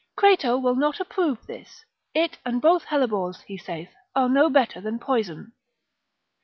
Crato will not approve this; it and both hellebores, he saith, are no better than poison.